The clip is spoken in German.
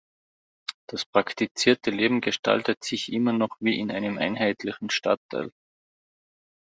Das praktizierte Leben gestaltet sich immer noch wie in einem einheitlichen Stadtteil.